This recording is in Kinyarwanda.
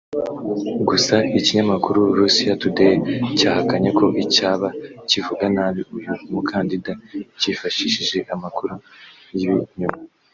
Gusa ikinyamakuru Russia Today cyahakanye ko cyaba kivuga nabi uyu mukandida cyifashishije amakuru y’ibinyoma